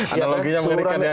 analoginya menurut anda